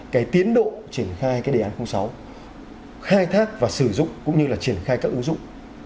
cái tiến độ triển khai cái đề án sáu khai thác và sử dụng cũng như là triển khai các ứng dụng